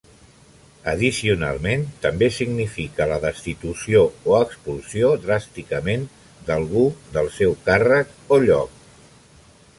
Addicionalment, també significa la destitució o expulsió dràsticament d'algú del seu càrrec o lloc.